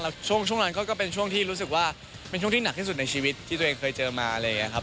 แล้วช่วงนั้นก็เป็นช่วงที่รู้สึกว่าเป็นช่วงที่หนักที่สุดในชีวิตที่ตัวเองเคยเจอมาอะไรอย่างนี้ครับ